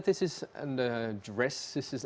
tapi benar ini diberi tekanan